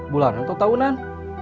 bulanan atau tahunan